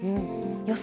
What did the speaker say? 予想